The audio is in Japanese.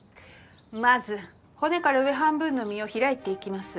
まず骨から上半分の身を開いていきます。